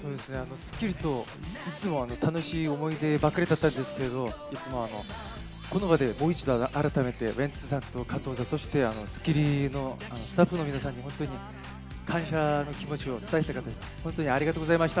『スッキリ』と、いつも楽しい思い出ばかりだったんですけど、いつもこの場でもう一度、改めてウエンツさんと加藤さん、そして『スッキリ』のスタッフの皆さんに感謝の気持ちを伝えたかったです、本当にありがとうございました。